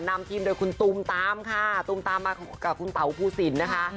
นำทีมโดยคุณตูมตามค่ะตูมตามมากับคุณเต๋าภูสินนะคะ